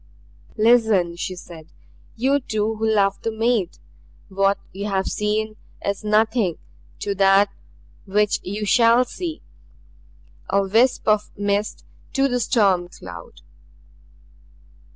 "Listen," she said. "You two who love the maid. What you have seen is nothing to that which you SHALL see a wisp of mist to the storm cloud."